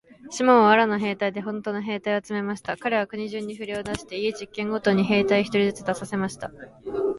シモンは藁の兵隊でほんとの兵隊を集めました。かれは国中にふれを出して、家十軒ごとに兵隊一人ずつ出させました。